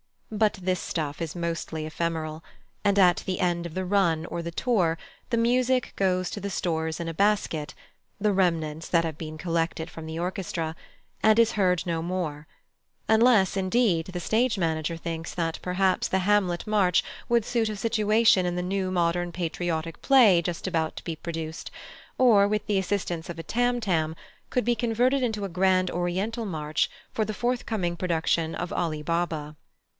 But this stuff is mostly ephemeral, and at the end of the run or the tour the music goes to the stores in a basket (the remnants that have been collected from the orchestra), and is heard no more; unless, indeed, the stage manager thinks that perhaps the Hamlet march would suit a situation in the new modern patriotic play just about to be produced, or, with the assistance of a tam tam, could be converted into a grand Oriental march for the forthcoming production of Ali Baba.